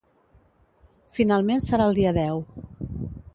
Finalment serà el dia deu.